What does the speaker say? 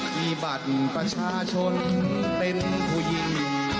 มีบัตรประชาชนเป็นผู้หญิง